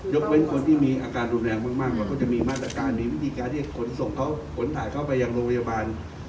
เว้นคนที่มีอาการรุนแรงมากเราก็จะมีมาตรการมีวิธีการที่จะขนศพเขาขนถ่ายเข้าไปยังโรงพยาบาล